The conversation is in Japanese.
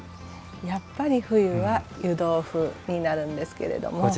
やっぱり冬は湯豆腐になるんですけれども。